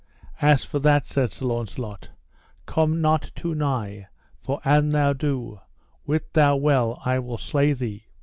As for that, said Sir Launcelot, come not too nigh, for an thou do, wit thou well I will slay thee.